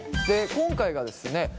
で今回がですね